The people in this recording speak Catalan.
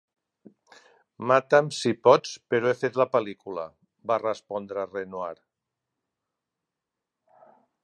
"Mata'm, si pots, però he fet la pel·lícula", va respondre Renoir.